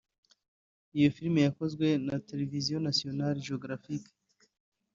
Iyo filime yakozwe na televiziyo National Geographic